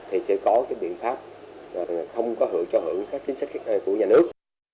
thì sẽ có cái biện pháp không có hụi cho hưởng các chính sách của nhà nước